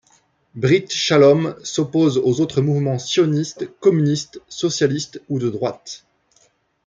Brit Shalom s'oppose aux autres mouvances sionistes communistes, socialistes ou de droite.